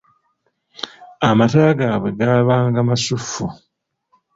Amata gaabwe gabanga masuffu.